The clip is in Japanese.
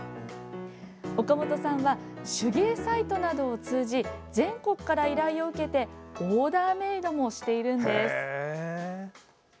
岡本さんは手芸サイトなどを通じ全国から依頼を受けてオーダーメードもしているんです。